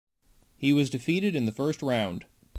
He was defeated in the first round.